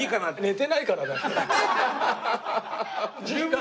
寝てないからだよ。